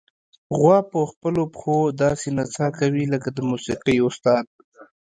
غوا په خپلو پښو داسې نڅا کوي لکه د موسیقۍ استاد.